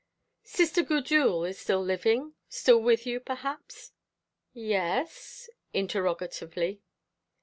"Sister Gudule is still living still with you, perhaps?" "Yes?" interrogatively.